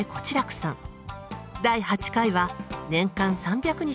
第８回は年間３００日